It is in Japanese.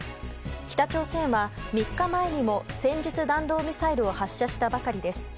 北朝鮮は３日前にも戦術弾道ミサイルを発射したばかりです。